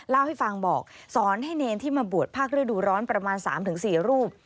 เล่าให้ฟังบอกสอนให้เนรที่มาบวชภาคฤดูร้อนประมาณ๓๔รูป